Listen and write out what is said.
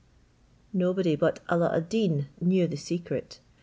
Nobody but Alla ad Deen knew the secret.